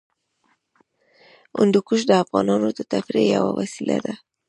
هندوکش د افغانانو د تفریح یوه وسیله ده.